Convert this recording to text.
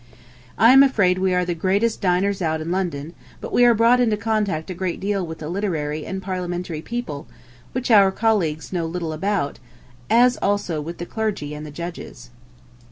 I am afraid we are the greatest diners out in London, but we are brought into contact a great deal with the literary and Parliamentary people, which our colleagues know little about, as also with the clergy and the judges.